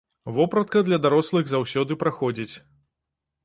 Вопратка для дарослых заўсёды праходзіць.